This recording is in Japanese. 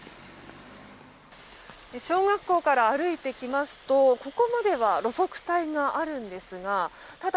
小学校から歩いてきますとここまでは路側帯があるんですがただ、